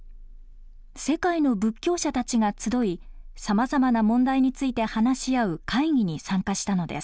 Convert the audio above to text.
世界の仏教者たちが集いさまざまな問題について話し合う会議に参加したのです。